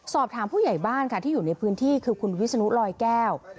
สอบถามผู้ใหญ่บ้านค่ะที่อยู่ในพื้นที่คือคุณวิศนุลอยแก้ว